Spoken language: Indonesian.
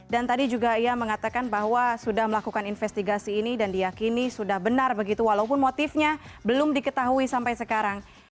dan tadi juga ia mengatakan bahwa sudah melakukan investigasi ini dan diyakini sudah benar begitu walaupun motifnya belum diketahui sampai sekarang